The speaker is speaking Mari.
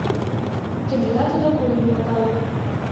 Кенета тудо вуйым нӧлтале.